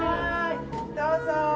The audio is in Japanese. どうぞ。